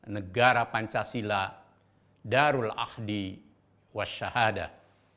negara pancasila darul ahdi wa shahadah